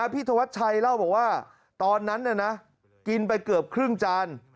ธวัชชัยเล่าบอกว่าตอนนั้นกินไปเกือบครึ่งจาน